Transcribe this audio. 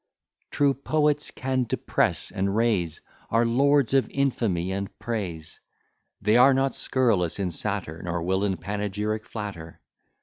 True poets can depress and raise, Are lords of infamy and praise; They are not scurrilous in satire, Nor will in panegyric flatter.